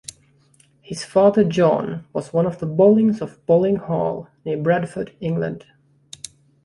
His father John, was one of the Bollings of Bolling Hall, near Bradford, England.